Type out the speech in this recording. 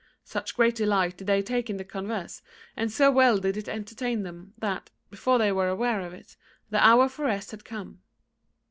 Such great delight did they take in the converse, and so well did it entertain them, that, before they were aware of it, the hour for rest had come.